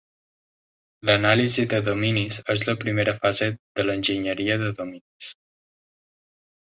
L'anàlisi de dominis és la primera fase de l'enginyeria de dominis.